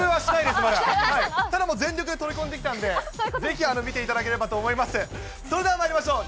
ただもう、全力で取り組んできたんで、ぜひ見ていただければと思います。